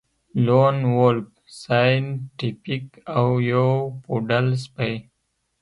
لون وولف سایینټیفیک او یو پوډل سپی